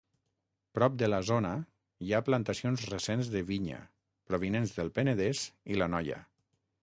Prop de la zona, hi ha plantacions recents de vinya provinents del Penedès i l'Anoia.